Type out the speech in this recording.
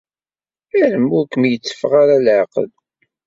Arem ur kem-yetteffeɣ ara leɛqel.